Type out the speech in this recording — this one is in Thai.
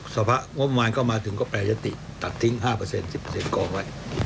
สภะงบประมาณเข้ามาถึงก็แปรยศติตัดทิ้ง๕เปอร์เซ็นต์๑๐เปอร์เซ็นต์กรองไว้